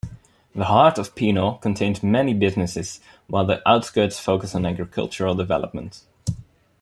The heart of Penal contains many businesses while the outskirts focus on agricultural development.